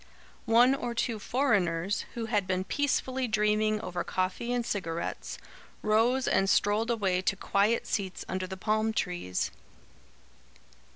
One or two foreigners, who had been peacefully dreaming over coffee and cigarettes, rose and strolled away to quiet seats under the palm trees.